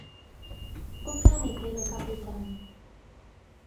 Aucun n'était le capitaine.